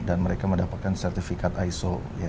dan mereka mendapatkan sertifikat iso